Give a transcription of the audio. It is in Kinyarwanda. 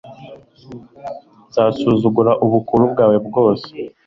nzasuzugura ubukuru bwawe bwose